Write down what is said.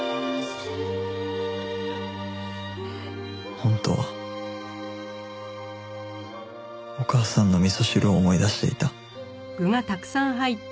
本当はお母さんの味噌汁を思い出していた